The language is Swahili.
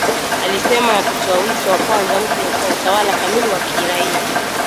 alisema akitoa wito wa kuanza upya kwa utawala kamili wa kiraia”